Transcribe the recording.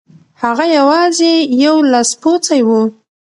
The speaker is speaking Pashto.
هغه یوازې یو لاسپوڅی و.